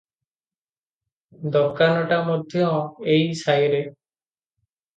ଦୋକାନଟା ମଧ୍ୟ ଏଇ ସାଇରେ ।